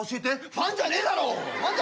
ファンじゃねえだろ！